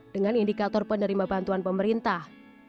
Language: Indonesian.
dengan indikator penerima bantuan pemerintah